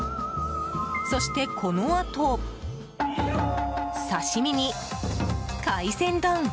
そして、このあと刺し身に海鮮丼！